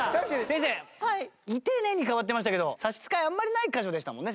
先生「いてね」に変わってましたけど差し支えあんまりない箇所でしたもんね？